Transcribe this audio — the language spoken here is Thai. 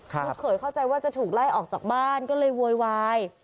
ลูกเขยเข้าใจว่าจะถูกไล่ออกจากบ้านก็เลยโวยวาย